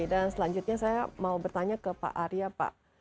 dan selanjutnya saya mau bertanya ke pak arya pak